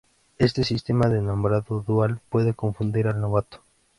Este sistema de nombrado dual puede confundir al novato.